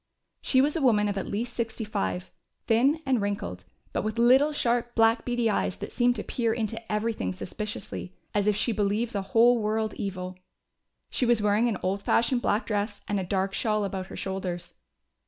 She was a woman of at least sixty five, thin and wrinkled, but with little sharp black beady eyes that seemed to peer into everything suspiciously, as if she believed the whole world evil. She was wearing an old fashioned black dress, and a dark shawl about her shoulders.